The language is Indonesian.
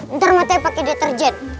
entar mata pakai deterjen